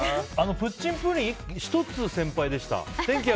プッチンプリン、１つ先輩でした。